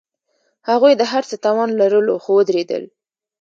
هغوی د هر څه توان لرلو، خو ودریدل.